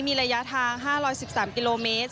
มีระยะทาง๕๑๓กิโลเมตร